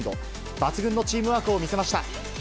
抜群のチームワークを見せました。